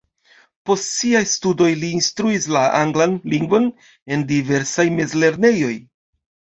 Post siaj studoj li instruis la anglan lingvon en diversaj mezlernejoj.